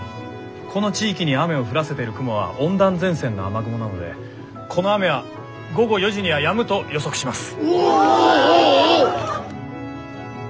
この地域に雨を降らせている雲は温暖前線の雨雲なのでこの雨は午後４時にはやむと予測します。